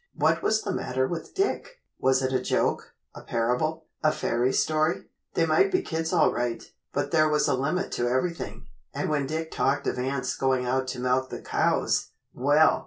What was the matter with Dick? Was it a joke, a parable, a fairy story? They might be kids all right, but there was a limit to everything, and when Dick talked of ants going out to milk the cows well!